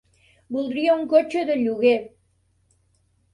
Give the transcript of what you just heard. Voldria un cotxe de lloguer.